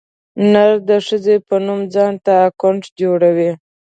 نر د ښځې په نوم ځانته اکاونټ جوړوي.